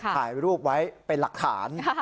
ถ่ายรูปไว้เป็นหลักฐาน